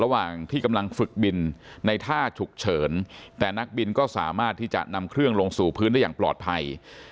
ระหว่างที่กำลังฝึกบินในท่าฉุกเฉินแต่นักบินก็สามารถที่จะนำเครื่องลงสู่พื้นได้อย่างปลอดภัย